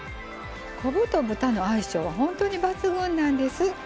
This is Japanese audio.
昆布と豚の相性が本当に抜群なんです。